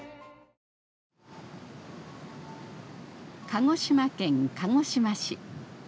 鹿児島県鹿児島市。